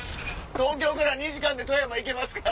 東京から２時間で富山行けますから！